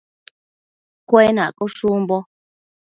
Cuenaccondash umbo